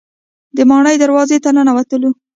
د ماڼۍ دروازې ته ننوتلو.